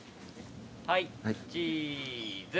・はいチーズ。